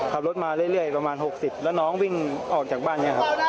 ขับรถมาเรื่อยประมาณ๖๐แล้วน้องวิ่งออกจากบ้านนี้ครับ